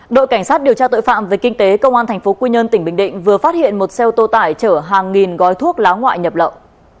đội cảnh sát điều tra tội phạm về kinh tế công an tp quy nhơn tỉnh bình định vừa phát hiện một xe ô tô tải chở hàng nghìn gói thuốc lá ngoại nhập lậu